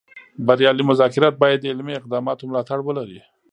بریالي مذاکرات باید د عملي اقداماتو ملاتړ ولري